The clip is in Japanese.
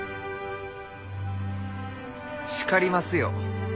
叱りますよ。